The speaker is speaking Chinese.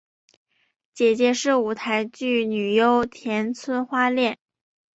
姐姐是舞台剧女优田村花恋。